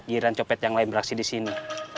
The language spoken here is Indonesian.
giri giri copet yang lain beraksi di sini